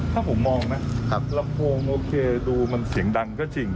ถ้าผมมองนะลำโพงโอเคดูมันเสียงดังก็จริง